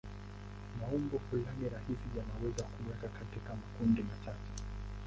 Maumbo fulani rahisi yanaweza kuwekwa katika makundi machache.